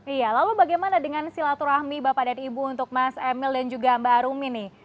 iya lalu bagaimana dengan silaturahmi bapak dan ibu untuk mas emil dan juga mbak arumi nih